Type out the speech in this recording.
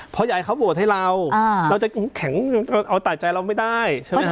เพราะอยากให้เขาโหวตให้เราเราจะแข็งเอาแต่ใจเราไม่ได้ใช่ไหม